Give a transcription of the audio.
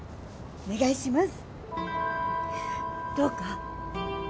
お願いします！